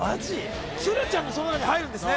鶴ちゃんもその中に入るんですね